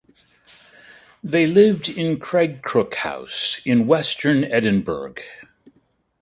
They lived in Craigcrook House in western Edinburgh.